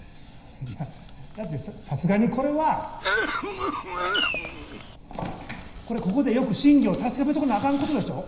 いやだってさすがにこれはこれここでよく真偽を確かめとかなあかんことでしょう。